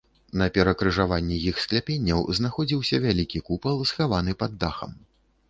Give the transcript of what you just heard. На перакрыжаванні іх скляпенняў знаходзіўся вялікі купал, схаваны пад дахам.